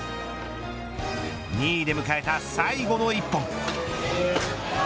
２位で迎えた最後の１本。